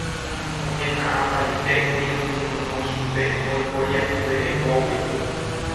Oñeha'ãmbaitékuri oipytyvõ chupe oiporiahuverekógui